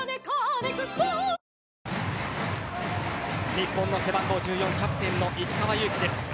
日本の背番号１４キャプテンの石川祐希です。